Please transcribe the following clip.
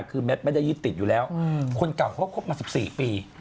คือแมทไม่ได้ยึดติดอยู่แล้วคนเก่าเขาก็คบมา๑๔ปี